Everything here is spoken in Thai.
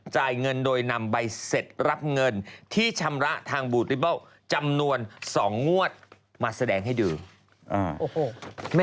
จ่ายเงินโดยนำใบเสร็จรับเงินที่ชำระทางบูติเบิลจำนวน๒งวดมาแสดงให้ดู